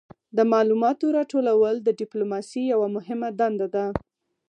د معلوماتو راټولول د ډیپلوماسي یوه مهمه دنده ده